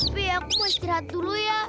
tapi ya mau istirahat dulu ya